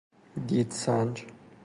دیدسنج